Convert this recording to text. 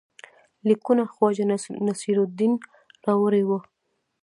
لیکونه خواجه نصیرالدین راوړي وه.